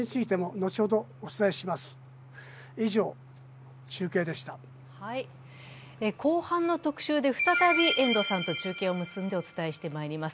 後半の特集で再び遠藤さんと中継を結んでお伝えしてまいります。